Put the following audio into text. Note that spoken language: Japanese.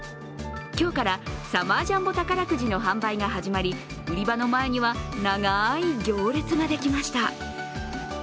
今日からサマージャンボ宝くじの販売が始まり、売り場の前には長い行列ができました。